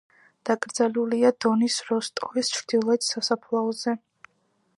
დაკრძალულია დონის როსტოვის ჩრდილოეთ სასაფლაოზე.